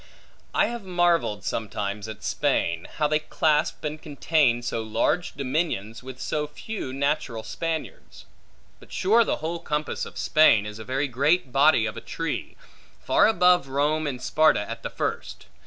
I have marvelled, sometimes, at Spain, how they clasp and contain so large dominions, with so few natural Spaniards; but sure the whole compass of Spain, is a very great body of a tree; far above Rome and Sparta at the first.